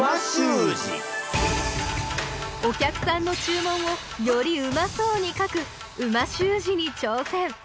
お客さんの注文をよりうまそうに書く美味しゅう字に挑戦！